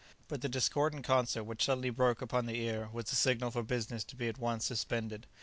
But the discordant concert which suddenly broke upon the ear was the signal for business to be at once suspended.